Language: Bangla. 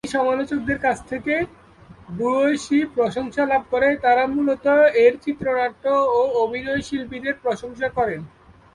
এটি সমালোচকদের কাছ থেকে ভূয়সী প্রশংসা লাভ করে, তারা মূলত এর চিত্রনাট্য ও অভিনয়শিল্পীদের প্রশংসা করেন।